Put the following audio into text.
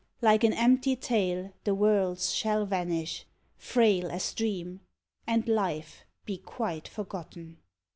Like an empty tale the worlds shall vanish, Frail as dream, and life be quite forgotten.